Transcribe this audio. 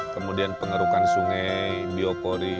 kemudian pengerukan sungai biopori